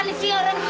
terus selera makan